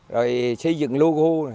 rồi xây dựng logo